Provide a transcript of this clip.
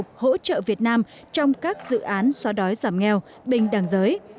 đề nghị australia tiếp tục hỗ trợ việt nam trong các dự án xóa đói giảm nghèo bình đằng giới